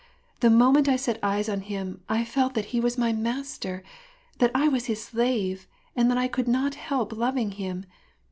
The moment I set eyes on him, I felt that he was my master, that I was his slave, and that I could not help loving him.